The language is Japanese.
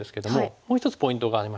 もう一つポイントがありまして。